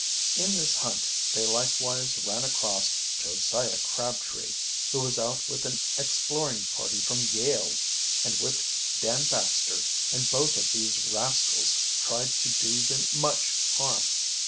In this hunt they likewise ran across Josiah Crabtree, who was out with an exploring party from Yale, and with Dan Baxter, and both of these rascals tried to do them much harm.